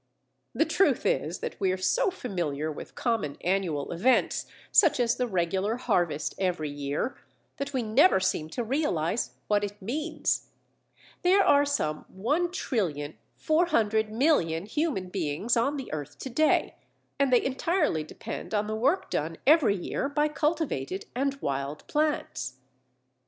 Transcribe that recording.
The truth is that we are so familiar with common annual events, such as the regular harvest every year, that we never seem to realize what it means. There are some 1,400,000,000 human beings on the earth to day, and they entirely depend on the work done every year by cultivated and wild plants.